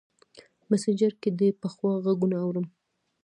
مسینجر کې دې پخوا غـــــــږونه اورم